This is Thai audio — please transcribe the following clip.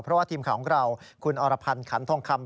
เพราะทิมของเราคุณอรพันธ์ขันตรงคำ